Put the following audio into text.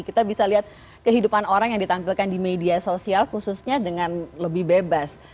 kita bisa lihat kehidupan orang yang ditampilkan di media sosial khususnya dengan lebih bebas